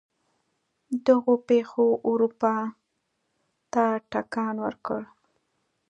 دغو پېښو اروپا ته ټکان ورکړ.